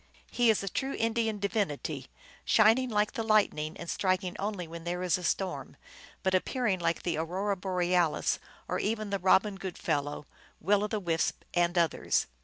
He is a true Indian divinity, shining like the lightning and striking only when there is a storm, but appearing like the Aurora Bo realis, or even the Robin Goodfellow Will o the Wisp at others.